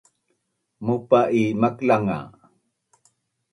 maupa i maklangan a